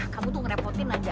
kamu tuh ngerepotin aja